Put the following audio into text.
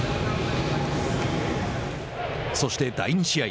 そして第２試合。